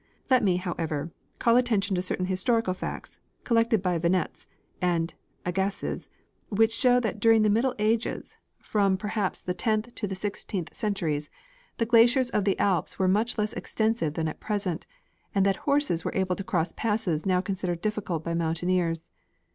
Let me, how ever, call attention to certain historical facts collected by Venetz and Agassiz, which show that during the middle ages, from per 40 H. F. lieid — Studies of Muir Q lacier. haps the tenth to the sixteenth centuries, the glaciers of the Alps were much less extensive than at present, and that horses were able to cross passes now considered difficult by mountaineers.